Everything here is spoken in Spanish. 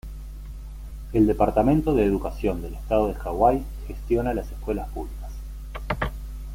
El Departamento de Educación del Estado de Hawái gestiona las escuelas públicas.